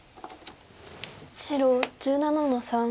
白１７の三。